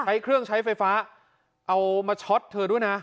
ใช้เครื่องใช้ไฟฟ้าเอามาช็อตเธอด้วยนะ